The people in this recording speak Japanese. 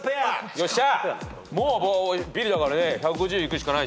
よっしゃ！